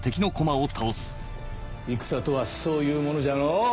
戦とはそういうものじゃのう！